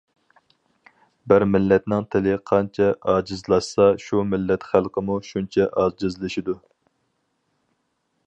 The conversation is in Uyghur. بىر مىللەتنىڭ تىلى قانچە ئاجىزلاشسا شۇ مىللەت خەلقىمۇ شۇنچە ئاجىزلىشىدۇ.